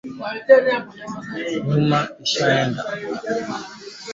Dalili ya kichaa cha mbwa ni kuathirika hisia kwa miguu ya nyuma